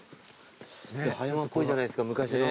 葉山っぽいじゃないですか昔の。